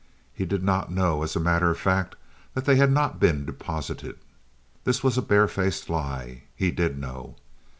He did not know, as a matter of fact, that they had not been deposited. (This was a barefaced lie. He did know.)